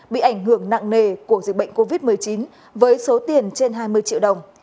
bị ảnh hưởng nặng nề của dịch bệnh covid một mươi chín với số tiền trên hai mươi triệu đồng